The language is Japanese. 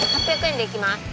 ８００円でいきます。